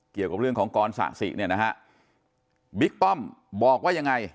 เกี่ยวกับเรื่องของกรสะสิเนี่ยนะฮะบิ๊กป้อมบอกว่ายังไง